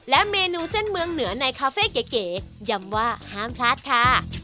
เมนูเส้นเมืองเหนือในคาเฟ่เก๋ย้ำว่าห้ามพลาดค่ะ